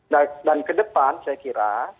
nah dan kedepan saya kira